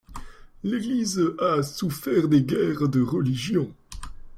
L'église a souffert des guerres de religion.